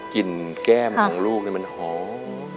กลิ่นแก้มของลูกมันหอม